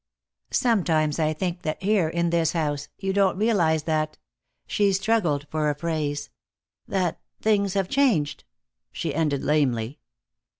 Sometimes I think that here, in this house, you don't realize that " she struggled for a phrase "that things have changed," she ended, lamely.